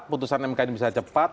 putusan mk ini bisa cepat